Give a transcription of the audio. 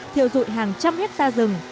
thiêu dụi hàng trăm hết ta rừng